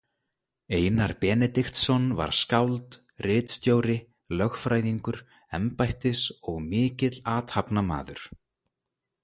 Einar Benediktsson var skáld, ritstjóri, lögfræðingur, embættis- og mikill athafnamaður.